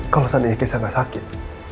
kalau seandainya keisha gak sakit